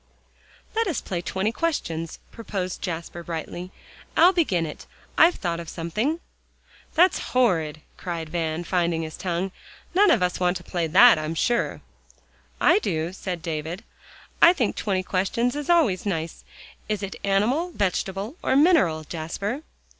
"Let us play 'Twenty Questions,'" proposed Jasper brightly. "I'll begin it, I've thought of something." "That's horrid," cried Van, finding his tongue, "none of us want to play that, I'm sure." "I do," said David. "I think 'Twenty Questions' is always nice. Is it animal, vegetable or mineral, Jasper?"